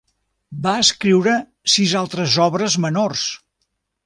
Va escriure sis altres obres menors.